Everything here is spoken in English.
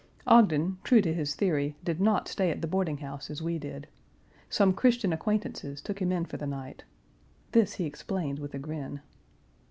Ogden, true to his theory, did not stay at the boarding house as we did. Some Christian acquaintances took him in for the night. This he explained with a grin.